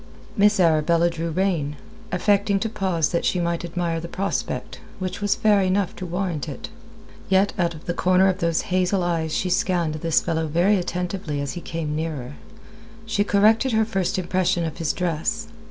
Miss Arabella drew rein, affecting to pause that she might admire the prospect, which was fair enough to warrant it. Yet out of the corner of those hazel eyes she scanned this fellow very attentively as he came nearer. She corrected her first impression of his dress.